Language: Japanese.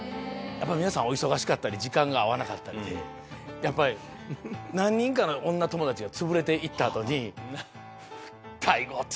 やっぱ皆さんお忙しかったり時間が合わなかったりで何人かの女友達がつぶれて行った後に大悟！